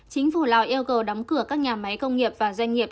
chính phủ lào yêu cầu đóng cửa các nhà máy công nghiệp và doanh nghiệp